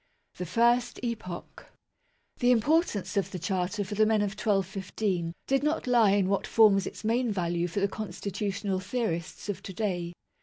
THE FIRST EPOCH. The importance of the Charter for the men of 1215 did not lie in what forms its main value for the constitutional theorists of to day.